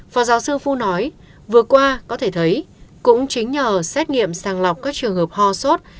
phó giáo sư phu nói vừa qua có thể thấy cũng chính nhờ xét nghiệm sàng lọc các trường hợp ho sốt